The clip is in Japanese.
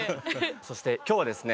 そして今日はですね